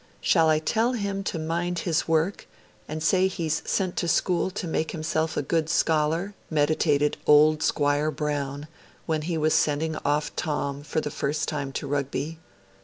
'Shall I tell him to mind his work, and say he's sent to school to make himself a good scholar?' meditated old Squire Brown when he was sending off Tom for the first time to Rugby.